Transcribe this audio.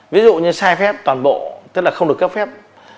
ví dụ như sai phép toàn bộ tức là không được cấp phép